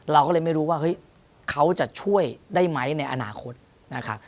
เราก็เลยไม่รู้ว่าเฮ้ยเขาจะช่วยได้ไหมในอนาคตนะครับ